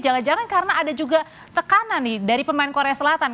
jangan jangan karena ada juga tekanan nih dari pemain korea selatan